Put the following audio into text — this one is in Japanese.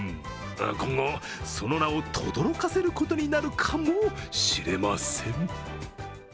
今後、その名をとどろかせることになるかもしれません。